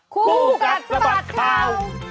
ครูกัลสมัครเข่า